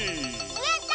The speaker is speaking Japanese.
やった！